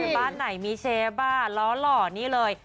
บ้านไหนมีเชฟบ้าล้อหล่อนี่เลย